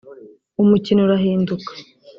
umukino urahinduka